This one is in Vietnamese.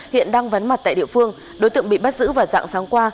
hiện đang vấn mặt tại địa phương đối tượng bị bắt giữ và dạng sáng qua